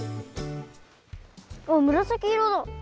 あっむらさき色だ！